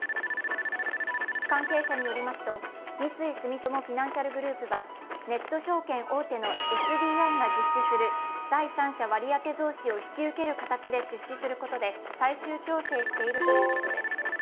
関係者によりますと、三井住友フィナンシャルグループはネット証券大手のＳＢＩが実施する第三者割当増資を引き受ける形で出資することで最終調整しているということです。